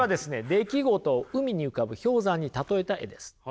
出来事を海に浮かぶ氷山に例えた絵です。